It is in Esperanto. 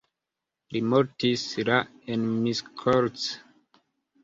Li mortis la en Miskolc.